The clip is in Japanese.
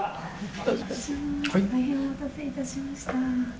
お待たせいたしました。